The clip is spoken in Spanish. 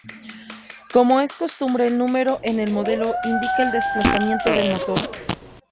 Como es costumbre, el número en el modelo indica el desplazamiento del motor.